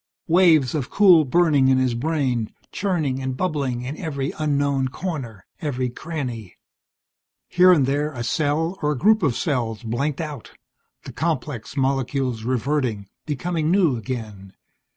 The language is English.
Waves of cool burning in his brain, churning and bubbling in every unknown corner, every cranny. Here and there a cell, or a group of cells, blanked out, the complex molecules reverting, becoming new again.